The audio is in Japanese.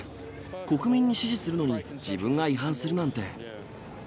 国民に指示するのに、自分が違反するなんて。